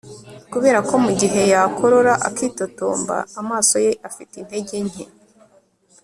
Kuberako mugihe yakorora akitotomba amaso ye afite intege nke